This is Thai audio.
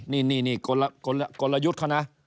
นี่นี่นี่กลยุทธ์เขานะ